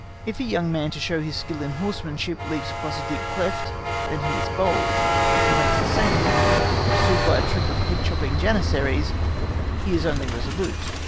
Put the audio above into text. If a young man to show his skill in horsemanship leaps across a deep cleft, then he is bold; if he makes the same leap pursued by a troop of head chopping Janissaries he is only resolute.